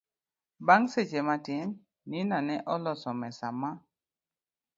Bang' seche matin, Nina ne oloso mesa ma